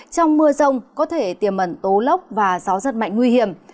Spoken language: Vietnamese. trong mưa rông có thể tiềm mẩn tố lốc và gió rất mạnh nguy hiểm